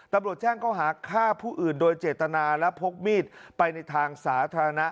ตำรวจแจ้งเขาหาฆ่าผู้อื่นโดยเจตนาและพกมีดไปในทางสาธารณะ